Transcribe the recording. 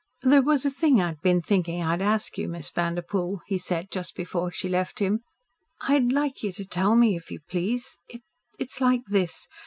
"There was a thing I've been thinking I'd ask you, Miss Vanderpoel," he said just before she left him. "I'd like you to tell me, if you please. It's like this.